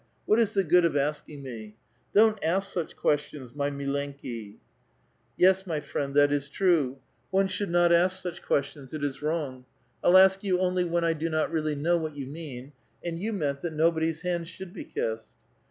What is the good of asking me ? Don't ask such questions, my mllenki !"" Yes, my friend, that is true ; one should not ask such questions : it is wrong. I'll ask you only when I do not really know what you mean ; and you meant that nobody's hand should be kissed."